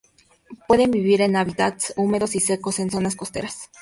Pueden vivir en hábitats húmedos o secos y en zonas costeras.